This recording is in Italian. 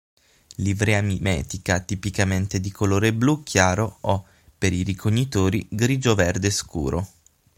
Livrea mimetica tipicamente di colore blu chiaro o, per i ricognitori, grigio-verde scuro.